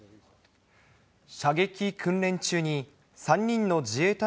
射撃訓練中に、３人の自衛隊